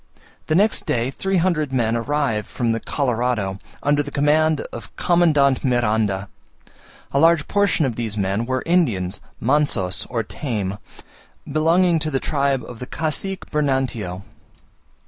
The next day three hundred men arrived from the Colorado, under the command of Commandant Miranda. A large portion of these men were Indians (mansos, or tame), belonging to the tribe of the Cacique Bernantio.